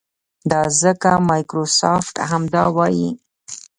دا ځکه مایکروسافټ همدا وايي.